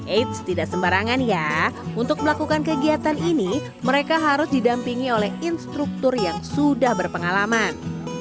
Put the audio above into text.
eits tidak sembarangan ya untuk melakukan kegiatan ini mereka harus didampingi oleh instruktur yang sudah berpengalaman